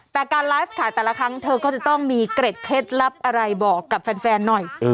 แต่การไลฟ์ขายแต่ละครั้งเธอก็จะต้องมีเกร็ดเคล็ดลับอะไรบอกกับแฟนหน่อย